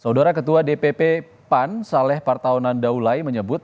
saudara ketua dpp pan saleh partaunan daulai menyebut